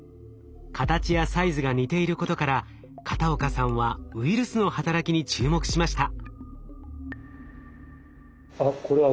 形やサイズが似ていることから片岡さんはウイルスの働きに注目しました。